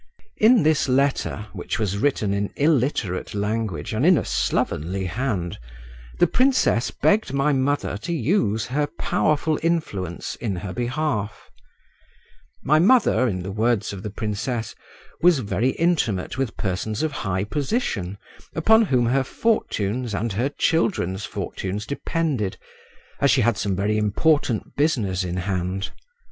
In this letter, which was written in illiterate language and in a slovenly hand, the princess begged my mother to use her powerful influence in her behalf; my mother, in the words of the princess, was very intimate with persons of high position, upon whom her fortunes and her children's fortunes depended, as she had some very important business in hand.